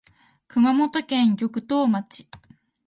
熊本県玉東町